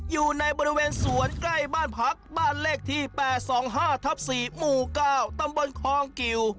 อยู่ในบริเวณสวนใกล้บ้านพักบ้านเลขที่๘๒๕ทับ๔หมู่๙ตำบลคองกิว